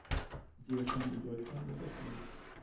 Sie erscheint in Deutschland und der Schweiz.